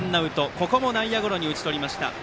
ここも内野ゴロに打ち取りました。